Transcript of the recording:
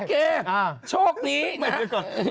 โอเคโชคนี้นะฮะ